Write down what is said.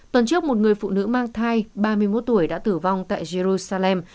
tuần trước một người phụ nữ mang thai ba mươi một tuổi đã tử vong tại jerusalem